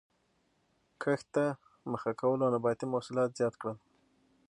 کښت ته مخه کولو نباتي محصولات زیات کړل